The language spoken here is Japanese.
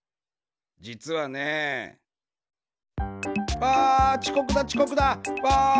じつはね。わちこくだちこくだ！わ！